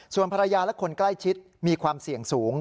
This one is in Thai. ส่วนภรรยาและคนใกล้ชิดมีความเสี่ยงสูง